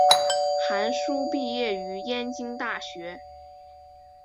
韩叙毕业于燕京大学。